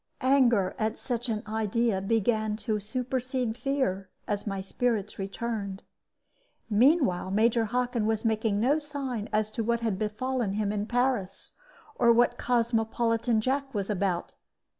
Anger at such an idea began to supersede fear, as my spirits returned. Meanwhile Major Hockin was making no sign as to what had befallen him in Paris, or what Cosmopolitan Jack was about.